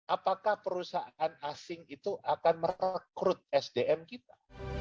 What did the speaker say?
apakah perusahaan asing itu akan merekrut sdm kita